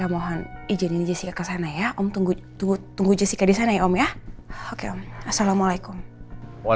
makanya terima kasih untuk infonya ya